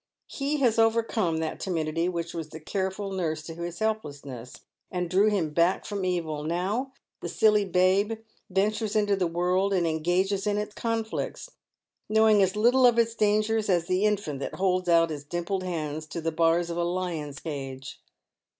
He has overcome that timidity which was the careful nurse to his helplessness, and drew him back from evil. Now the silly babe ventures into the world and engages in its conflicts, knowing as little of its dangers as the infant that holds out its dimpled hands to the bars of a lion's cage.